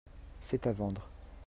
c'est à vendre.